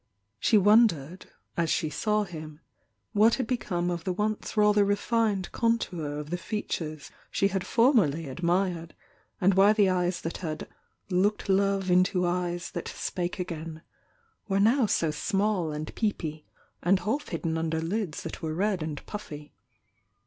She won dered, as she saw him, what had become of the once rather rrnned contour of the features she had formerly admired, and why the eyes that had looked love into eyes that spake again" were now so small and peepy, and half hidden under hds that were red Mid puffy.